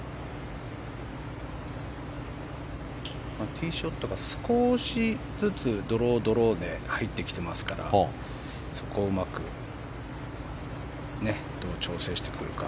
ティーショットが少しずつドロー、ドローで入ってきてますからそこを、どう調整してくるか。